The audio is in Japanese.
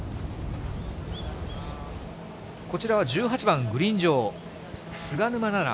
こちらは１８番グリーン上、菅沼菜々。